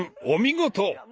お見事！